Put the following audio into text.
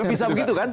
bisa begitu kan